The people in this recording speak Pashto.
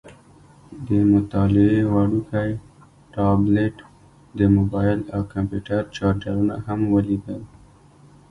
د مطالعې وړوکی ټابلیټ، د موبایل او کمپیوټر چارجرونه هم ولیدل.